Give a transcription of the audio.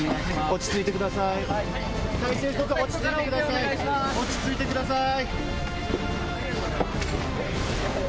落ち着いてください落ち着いてください。